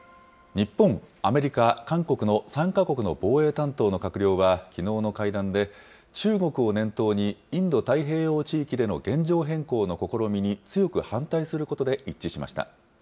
日本、アメリカ、韓国の３か国の防衛担当の閣僚は、きのうの会談で、中国を念頭にインド太平洋地域での現状変更の試みに強く反対することで一致しました。